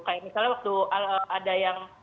kayak misalnya waktu ada yang